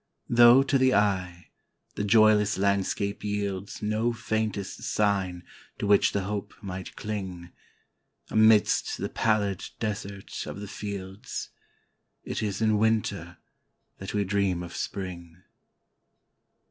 Though, to the eye, the joyless landscape yieldsNo faintest sign to which the hope might cling,—Amidst the pallid desert of the fields,—It is in Winter that we dream of Spring.